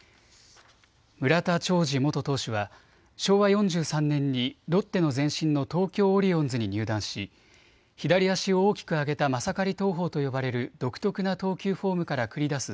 村田兆治元投手は昭和４３年にロッテの前身の東京オリオンズに入団し左足を大きく上げたマサカリ投法と呼ばれる独特な投球フォームから繰り出す